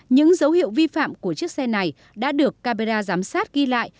những dấu hiệu vi phạm của chiếc xe này đã được camera giám sát ghi lại